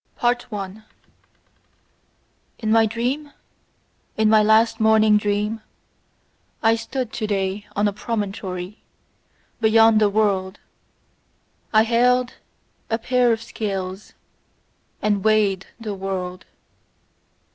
1. In my dream, in my last morning dream, I stood to day on a promontory beyond the world; I held a pair of scales, and WEIGHED the world.